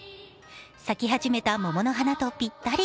咲き始めた桃の花とぴったり。